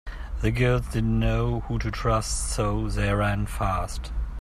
The girls didn’t know who to trust so they ran fast.